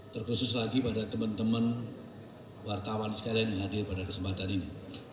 terkhusus lagi pada teman teman wartawan sekalian yang hadir pada kesempatan ini